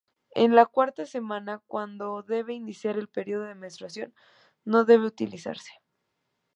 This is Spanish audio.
En la cuarta semana, cuando debe iniciar el periodo de menstruación no debe utilizarse.